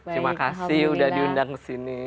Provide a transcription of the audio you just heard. terima kasih sudah diundang ke sini